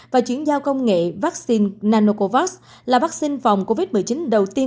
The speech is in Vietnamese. và chuyển giao công nghệ vaccine nanocovax là vaccine phòng covid một mươi chín đầu tiên